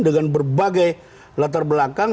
dengan berbagai latar belakang